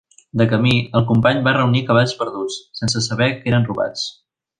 De camí, el company va reunir cavalls perduts, sense saber que eren robats.